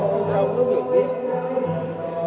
các cháu nó biểu diễn